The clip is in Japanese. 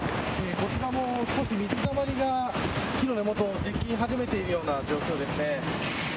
こちらも少し水たまりが木の根元でき始めているような状況です。